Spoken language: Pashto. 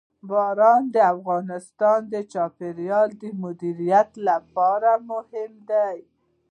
باران د افغانستان د چاپیریال د مدیریت لپاره مهم دي.